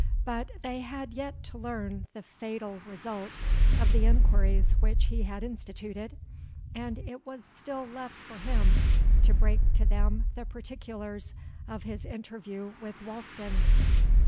But they had yet to learn the fatal result of the enquiries which he had instituted; and it was still left for him to break to them the particulars of his interview with Walkden.